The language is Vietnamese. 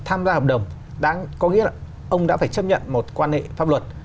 tham gia hợp đồng có nghĩa là ông đã phải chấp nhận một quan hệ pháp luật